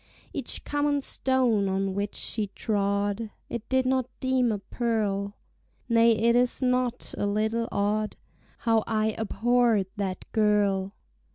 Each common stone on which she trod I did not deem a pearl: Nay it is not a little odd How I abhorr'd that girl.